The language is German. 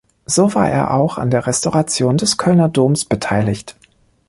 So war er auch an der Restauration des Kölner Doms beteiligt.